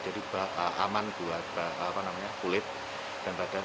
jadi aman buat kulit dan badan